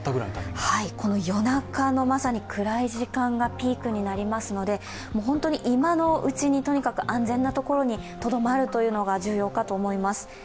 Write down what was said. この夜中のまさに暗い時間がピークになりますので本当に今のうちにとにかく安全な所にとどまるのが重要かと思います。